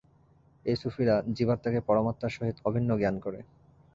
এই সুফীরা জীবাত্মাকে পরমাত্মার সহিত অভিন্ন জ্ঞান করে।